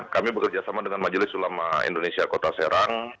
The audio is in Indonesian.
kami bekerja sama dengan majelis ulama indonesia kota serang